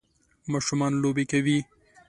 ماشومان لوبی کوی.